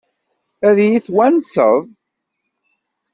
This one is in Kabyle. Ad iyi-twanseḍ?